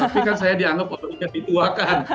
tapi kan saya dianggap orangnya dituakan